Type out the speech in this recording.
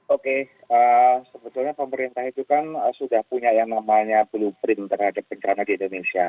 oke sebetulnya pemerintah itu kan sudah punya yang namanya blueprint terhadap bencana di indonesia